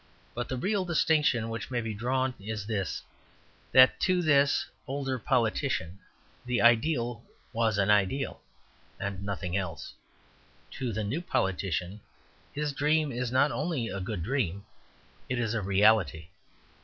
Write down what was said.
But the real distinction which may be drawn is this, that to the older politician the ideal was an ideal, and nothing else. To the new politician his dream is not only a good dream, it is a reality.